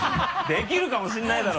できるかもしれないだろ！